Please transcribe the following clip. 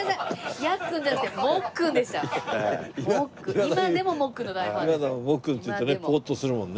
今でも「モッくん」っていうとねポーッとするもんね。